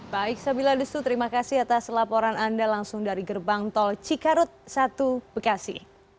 baik sabila desu terima kasih atas laporan anda langsung dari gerbang tol cikarut satu bekasi